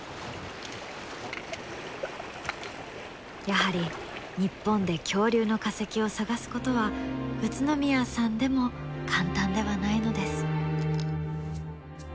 やはり日本で恐竜の化石を探すことは宇都宮さんでも簡単ではないのです。